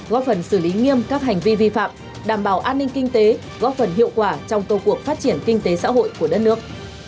góp phần xử lý nghiêm các hành vi vi phạm đảm bảo an ninh kinh tế góp phần hiệu quả trong công cuộc phát triển kinh tế xã hội của đất nước